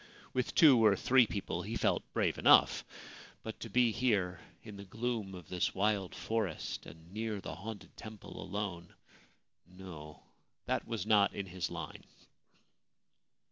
With two or three people he felt brave enough ; but to be here in the gloom of this wild forest and near the haunted temple alone — no : that was not in his line.